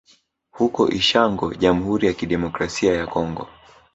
Huko Ishango Jamhuri ya Kidemokrasia ya Kongo